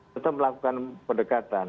tetap melakukan pendekatan